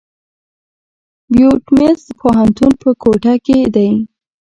بيوټمز پوهنتون په کوټه کښي دی.